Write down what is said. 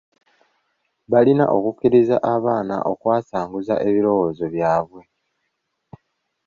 Balina okukkiriza abaana okwasanguza ebirowoozo byabwe.